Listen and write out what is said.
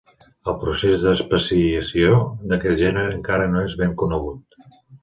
El procés d'especiació d'aquest gènere encara no és ben conegut.